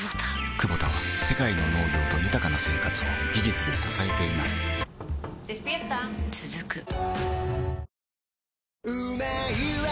クボタは世界の農業と豊かな生活を技術で支えています起きて。